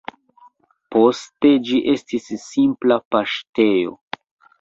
Poste ĝi estis simpla paŝtejo.